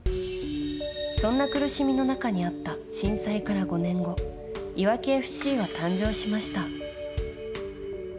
そんな苦しみの中にあった震災から５年後いわきＦＣは誕生しました。